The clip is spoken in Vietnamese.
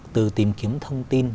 từ tìm kiếm thông tin